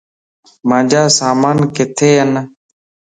مانجا سامان ڪٿي ين؟